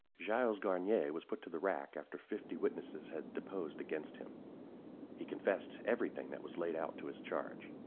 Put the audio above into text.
Gilles Garnier was put to the rack after fifty witnesses had deposed against him. He confessed every thing that was laid to his charge.